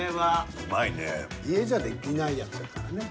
家じゃできないやつやからね。